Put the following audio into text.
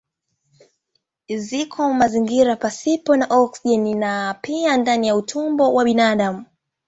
Ziko mazingira pasipo na oksijeni na pia ndani ya utumbo wa binadamu.